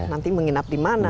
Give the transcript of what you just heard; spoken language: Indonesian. nanti menginap dimana